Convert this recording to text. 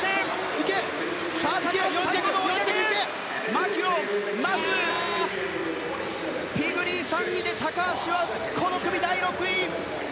マキュオン、マスピグリーが３位で高橋はこの組、第６位！